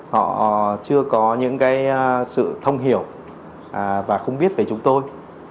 họ chưa có những sự thông hiểu và không biết về chúng tôi